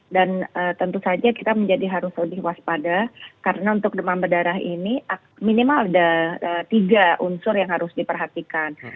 dan tentu saja kita menjadi harus lebih waspada karena untuk demam berdarah ini minimal ada tiga unsur yang harus diperhatikan